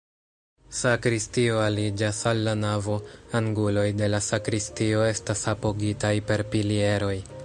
Sakristio aliĝas al la navo, anguloj de la sakristio estas apogitaj per pilieroj.